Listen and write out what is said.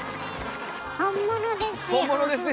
本物ですよ。